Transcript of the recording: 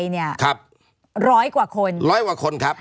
๑๐๐กว่าคนครับร้อยกว่าคนครับ